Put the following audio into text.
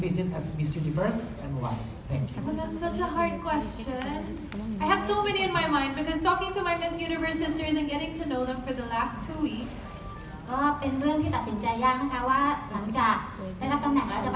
นางงามพวกสะกดจากหลายประเทศเลยค่ะ